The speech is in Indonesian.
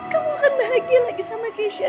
kamu akan bahagia lagi sama keisha